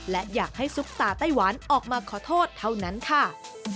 และอยากให้ซุปตาไต้หวันออกมาขอโทษเท่านั้นค่ะ